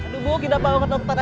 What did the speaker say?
tentu tak ada harapan